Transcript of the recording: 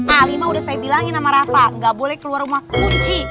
a lima udah saya bilangin sama rafa gak boleh keluar rumah kunci